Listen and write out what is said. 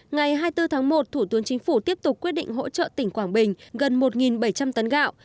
ngày hai mươi bốn tháng một thủ tướng chính phủ tiếp tục quyết định hỗ trợ tỉnh quảng bình gần một bảy trăm linh tấn gạo